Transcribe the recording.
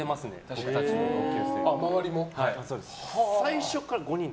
俺たちの同級生は。